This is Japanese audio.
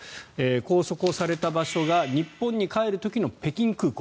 拘束された場所が日本に帰る時の北京空港。